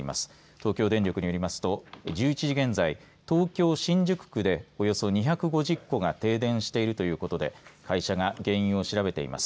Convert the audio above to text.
東京電力によりますと１１時現在東京、新宿区でおよそ２５０戸が停電しているということで会社が原因を調べています。